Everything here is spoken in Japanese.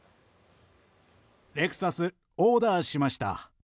レクサス、オーダーしました。